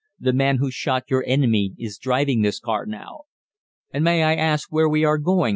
"The man who shot your enemy is driving this car now." "And may I ask where we are going?"